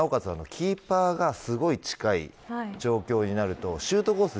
キーパーにごく近い状況になるとシュートコース